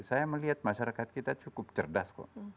saya melihat masyarakat kita cukup cerdas kok